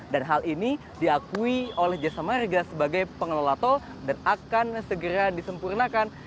dan hal ini diakui oleh jasa marga sebagai pengelola tol dan akan segera disempurnakan